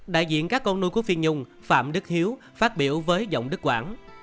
đại diện các con nuôi của phiên nhung phạm đức hiếu phát biểu với giọng đức quảng